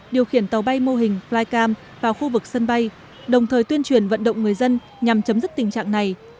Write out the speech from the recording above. điều khiển tàu bay mô hình flycam vào khu vực sân bay đồng thời tuyên truyền vận động người dân nhằm chấm dứt tình trạng này